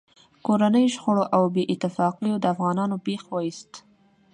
کورنیو شخړو او بې اتفاقیو د افغانانو بېخ و ایست.